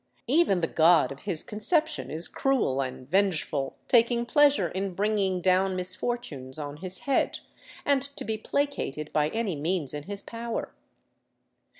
Even the God of his conception is cruel and vengeful, taking pleasure in bringing down misfortunes on his head, and to be placated by any means in his power.